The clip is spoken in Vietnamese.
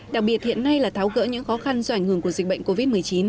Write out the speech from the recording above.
đặc biệt hiện nay là tháo gỡ những khó khăn do ảnh hưởng của dịch bệnh covid một mươi chín